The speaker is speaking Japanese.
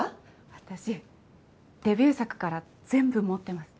私デビュー作から全部持ってます。